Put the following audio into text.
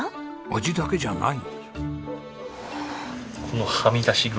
味だけじゃない？